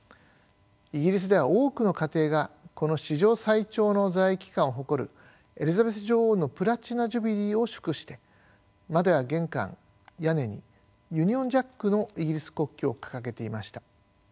イギリスでは多くの家庭がこの史上最長の在位期間を誇るエリザベス女王のプラチナ・ジュビリーを祝して窓や玄関屋根にユニオン・ジャックのイギリス国旗を掲げていました。